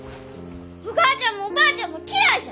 お母ちゃんもおばあちゃんも嫌いじゃ！